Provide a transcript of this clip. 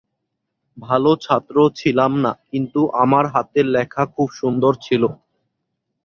ভালো ছাত্র ছিলাম না, কিন্তু আমার হাতের লেখা খুব সুন্দর ছিল।